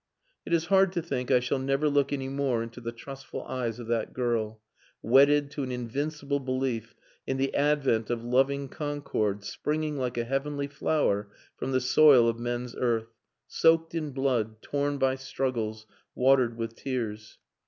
It is hard to think I shall never look any more into the trustful eyes of that girl wedded to an invincible belief in the advent of loving concord springing like a heavenly flower from the soil of men's earth, soaked in blood, torn by struggles, watered with tears.